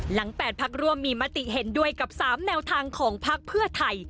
๘พักร่วมมีมติเห็นด้วยกับ๓แนวทางของพักเพื่อไทย